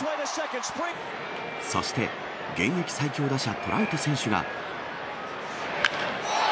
そして、現役最強打者、トラウト選手が。